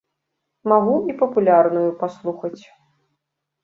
Магу і папулярную паслухаць.